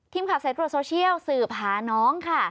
ทีมขาบเซ็ตรวบโซเชียลสืบหาน้องค่ะ